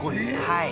はい。